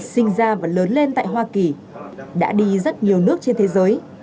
sinh ra và lớn lên tại hoa kỳ đã đi rất nhiều nước trên thế giới